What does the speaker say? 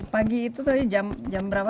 pagi itu jam berapa